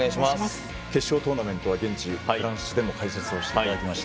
決勝トーナメントでは現地フランスでも解説をしていただきました。